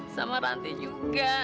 sama ranti juga